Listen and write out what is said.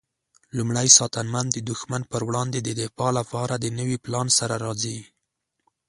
لومړی ساتنمن د دښمن پر وړاندې د دفاع لپاره د نوي پلان سره راځي.